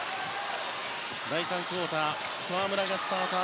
第３クオーター河村がスターター。